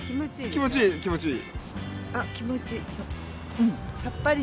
気持ちいい気持ちいい。